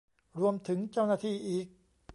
รวมถึงเจ้าหน้าที่อีก